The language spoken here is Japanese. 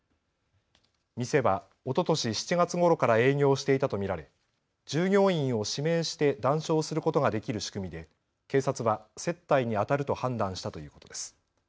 店はおととし７月ごろから営業していたと見られ従業員を指名して談笑することができる仕組みで警察は接待にあたると判断したということです。